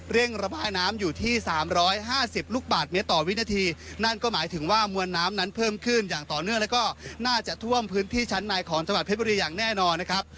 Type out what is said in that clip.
ระบายน้ำอยู่ที่สามร้อยห้าสิบลูกบาทเมตรต่อวินาทีนั่นก็หมายถึงว่ามวลน้ำนั้นเพิ่มขึ้นอย่างต่อเนื่องแล้วก็น่าจะท่วมพื้นที่ชั้นในของจังหวัดเพชรบุรีอย่างแน่นอนนะครับ